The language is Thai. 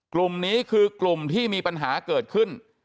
กลุ่มนี้คือกลุ่มที่มีปัญหาเกิดขึ้น